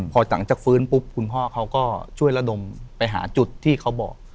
พอหลังจากฟื้นปุ๊บคุณพ่อเขาก็ช่วยระดมไปหาจุดที่เขาบอก